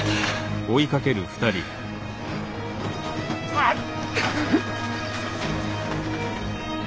あっ！